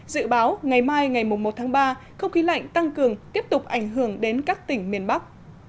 dự báo ngày mai ngày một tháng ba không khí lạnh tăng cường tiếp tục ảnh hưởng đến các tỉnh miền bắc